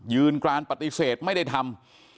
การปฏิเสธไม่ได้ทำ